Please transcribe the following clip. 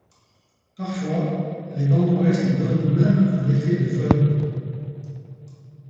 Parfois, les vents d’ouest donnent même un effet de fœhn.